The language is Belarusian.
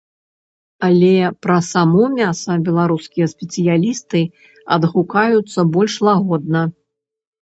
Але пра само мяса беларускія спецыялісты адгукаюцца больш лагодна.